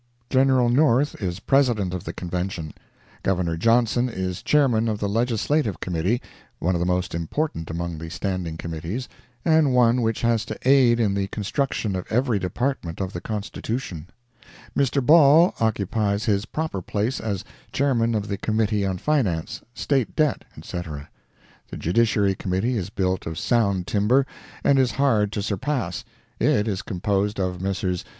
General North is President of the Convention; Governor Johnson is Chairman of the Legislative Committee—one of the most important among the Standing Committees, and one which has to aid in the construction of every department of the Constitution; Mr. Ball occupies his proper place as Chairman of the Committee on Finance, State Debt, etc.; the Judiciary Committee is built of sound timber, and is hard to surpass; it is composed of Messrs.